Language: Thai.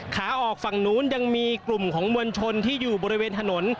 ขาออกฝั่งนู้นยังมีกลุ่มของมวลชนที่อยู่บริเวณถนน